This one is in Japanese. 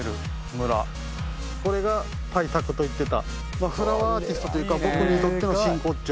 これが大作といってたフラワーアーティストというか僕にとっての真骨頂。